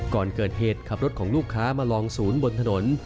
ก่อนเกิดเหตุขับรถของลูกค้ามาลองศูนย์บนถนน